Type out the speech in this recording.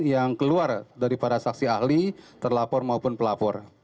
yang keluar dari para saksi ahli terlapor maupun pelapor